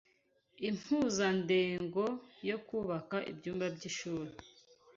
Impuzandengo yo kubaka ibyumba by'ishuri